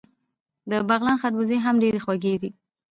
د بغلان خربوزې هم ډیرې خوږې دي.